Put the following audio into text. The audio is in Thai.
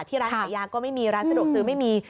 ร้านขายยางก็ไม่มีร้านสะดวกซื้อไม่มี